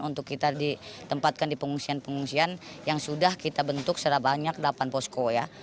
untuk kita ditempatkan di pengungsian pengungsian yang sudah kita bentuk secara banyak delapan posko ya